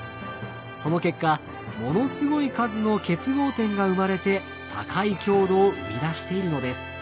その結果ものすごい数の結合点が生まれて高い強度を生み出しているのです。